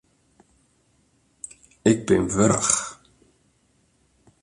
Ik bin wurch.